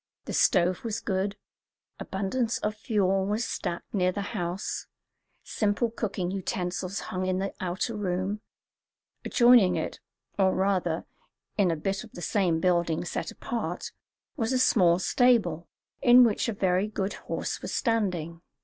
The stove was good; abundance of fuel was stacked near the house; simple cooking utensils hung in the outer room; adjoining it, or rather, in a bit of the same building set apart, was a small stable, in which a very good horse was standing.